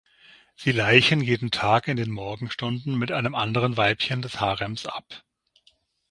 Sie laichen jeden Tag in den Morgenstunden mit einem anderen Weibchen des Harems ab.